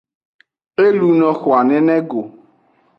E luno xwan nene go.